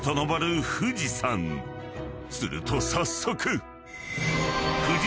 ［すると早速］